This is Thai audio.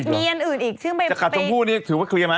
มีอีกหรอ